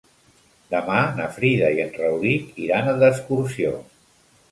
Demà na Frida i en Rauric iran d'excursió.